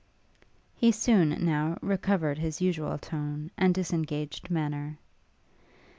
He soon, now, recovered his usual tone, and disengaged manner.